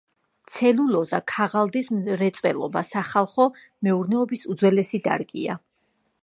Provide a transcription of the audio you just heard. ცელულოზა-ქაღალდის მრეწველობა სახალხო მეურნეობის უძველესი დარგია.